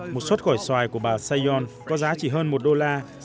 một suất gỏi xoài của bà sayon có giá chỉ hơn một đô la